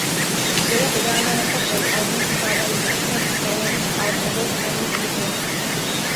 Bylo vydáno jako dvojalbum skládající se z sólových alb obou členů skupiny.